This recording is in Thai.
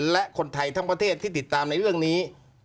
และคนไทยทั้งประเทศที่ติดตามในเรื่องนี้